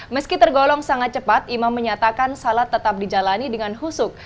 meski tergolong sangat cepat imam menyatakan salat tetap dijalani dengan husuk